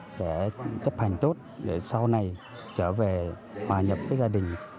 sẽ chấp hành tốt để sau này trở về hòa nhập với gia đình